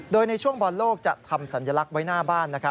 โดยในช่วงบอลโลกจะทำสัญลักษณ์ไว้หน้าบ้าน